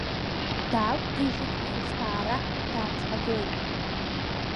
Даақугьежьын, ахушҭаара дааҽҳәагылеит…